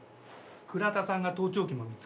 倉田さんが盗聴器も見つけて。